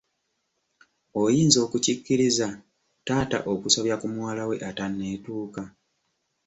Oyinza okukikkiriza taata okusobya ku muwala we atanneetuuka?